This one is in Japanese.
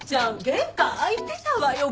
玄関開いてたわよ！